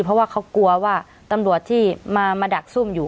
เพราะว่าเขากลัวว่าตำรวจที่มาดักซุ่มอยู่